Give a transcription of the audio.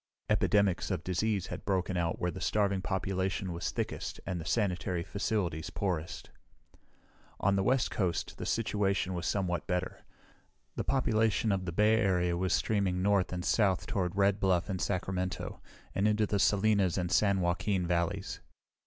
Epidemics of disease had broken out where the starving population was thickest and the sanitary facilities poorest. On the west coast the situation was somewhat better. The population of the Bay Area was streaming north and south toward Red Bluff and Sacramento, and into the Salinas and San Joaquin valleys.